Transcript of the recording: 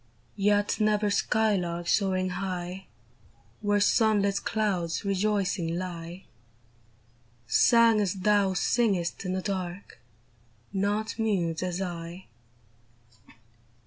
Yet never skylark soaring high Where sun lit clouds rejoicing lie. Sang as thou singest in the dark, Not mute as I